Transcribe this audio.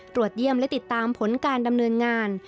เยี่ยมและติดตามผลการดำเนินงาน